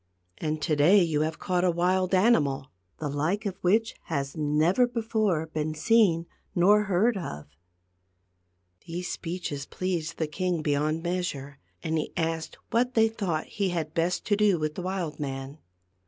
And to day THE GLASS MOUNTAIN. 257 yon have caught a wild animal, the like of which has never before been seen nor heard of." These speeches pleased the king beyond measure, and he asked what they thought he had best do with the wild man.